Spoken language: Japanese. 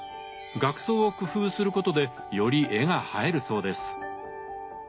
額装を工夫することでより絵が映えるそうです。